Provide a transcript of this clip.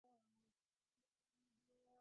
އަހަރެންނަށް ފިލައިގެން